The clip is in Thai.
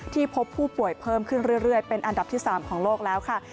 พบผู้ป่วยเพิ่มขึ้นเรื่อยเป็นอันดับที่๓ของโลกแล้วค่ะ